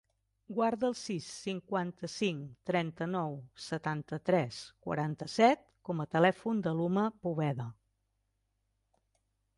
Guarda el sis, cinquanta-cinc, trenta-nou, setanta-tres, quaranta-set com a telèfon de l'Uma Poveda.